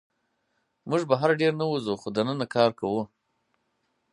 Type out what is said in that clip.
موږ بهر ډېر نه وځو، خو دننه کار کوو.